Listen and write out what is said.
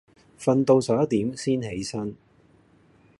訓到十一點先起身